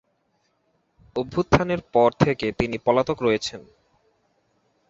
অভ্যুত্থানের পর থেকে তিনি পলাতক রয়েছেন।